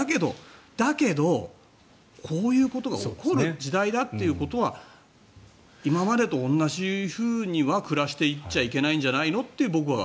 だけどこういうことが起こる時代だっていうのは今までと同じふうには暮らしていっちゃいけないんじゃないのって僕は。